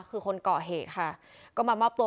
คือคนก่อเหตุค่ะ